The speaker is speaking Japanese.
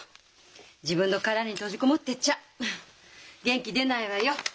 自分の殻に閉じこもってちゃ元気出ないわよ。